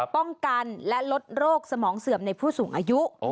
ป้องกันและลดโรคสมองเสื่อมในผู้สูงอายุ